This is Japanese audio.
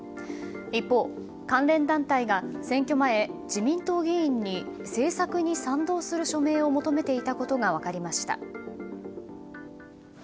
一方、関連団体が選挙前、自民党議員に政策に賛同する署名を求めていたことが分かりました。